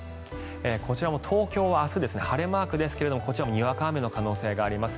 こちらも東京は明日、晴れマークですがこちらもにわか雨の可能性があります。